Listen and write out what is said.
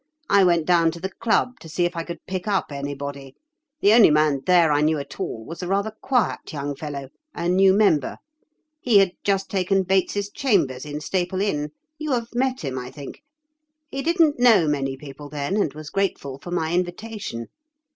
I went down to the club to see if I could pick up anybody. The only man there I knew at all was a rather quiet young fellow, a new member. He had just taken Bates's chambers in Staple Inn—you have met him, I think. He didn't know many people then and was grateful for my invitation.